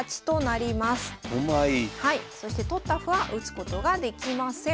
そして取った歩は打つことができません。